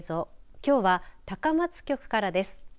きょうは高松局からです。